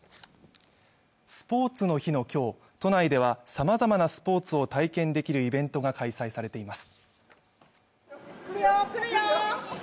スポーツの日の今日都内ではさまざまなスポーツを体験できるイベントが開催されています